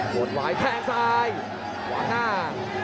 โหดหวายแทงซ้ายขวางหน้า